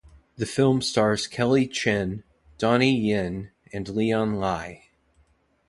The film stars Kelly Chen, Donnie Yen and Leon Lai.